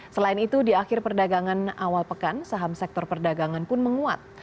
selain itu di akhir perdagangan awal pekan saham sektor perdagangan pun menguat